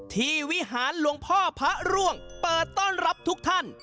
วิหารหลวงพ่อพระร่วงเปิดต้อนรับทุกท่าน